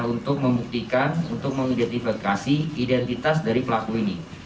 untuk membuktikan untuk mengidentifikasi identitas dari pelaku ini